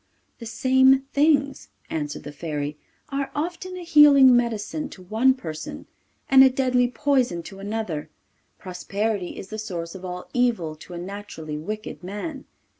'The same things,' answered the Fairy, 'are often a healing medicine to one person and a deadly poison to another. Prosperity is the source of all evil to a naturally wicked man.